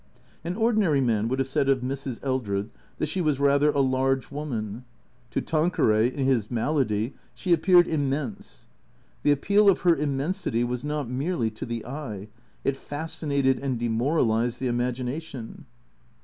An ordinary man would have said of Mrs. Eldred that she was rather a large woman. To Tanqueray, in his malady, she appeared immense. The appeal of lier immensity was not merely to the eye. It fascinated and demoralized the imagination.